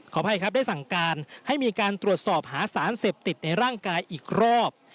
อภัยครับได้สั่งการให้มีการตรวจสอบหาสารเสพติดในร่างกายอีกรอบ